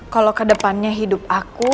kalo kedepannya hidup aku